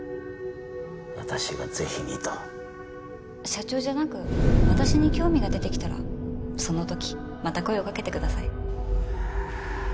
社長じゃなく私に興味が出てきたらその時また声をかけてください。